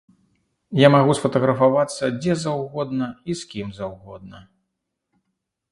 Я магу сфатаграфавацца дзе заўгодна і з кім заўгодна.